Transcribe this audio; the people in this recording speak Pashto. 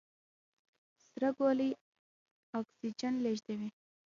سره ګولۍ اکسیجن لېږدوي.